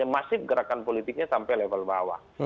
masif gerakan politiknya sampai level bawah